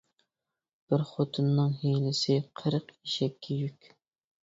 بىر خوتۇننىڭ ھىيلىسى قىرىق ئېشەككە يۈك.